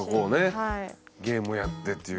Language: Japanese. ゲームをやってっていう。